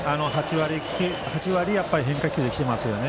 ８割変化球できていますね